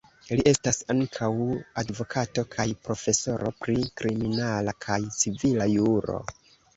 Li estas ankaŭ advokato kaj profesoro pri kriminala kaj civila juro.